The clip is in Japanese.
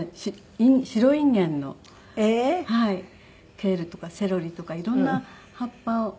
ケールとかセロリとか色んな葉っぱを。